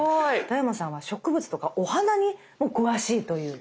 田山さんは植物とかお花にも詳しいという。